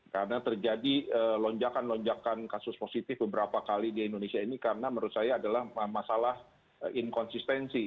karena terjadi lonjakan lonjakan kasus positif beberapa kali di indonesia ini karena menurut saya adalah masalah inkonsistensi